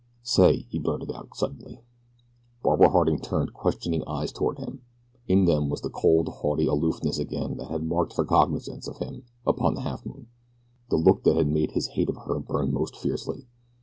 "Say!" he blurted out suddenly. Barbara Harding turned questioning eyes toward him. In them was the cold, haughty aloofness again that had marked her cognizance of him upon the Halfmoon the look that had made his hate of her burn most fiercely.